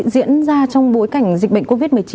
diễn ra trong bối cảnh dịch bệnh covid một mươi chín